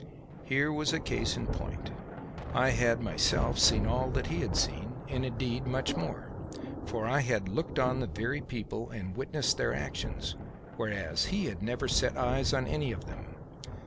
Here was a case in point. I had myself seen all that he had seen, and, indeed, much more; for I had looked on the very people and witnessed their actions, whereas he had never set eyes on any of them.